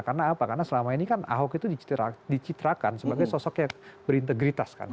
karena apa karena selama ini kan ahok itu dicitrakan sebagai sosok yang berintegritas kan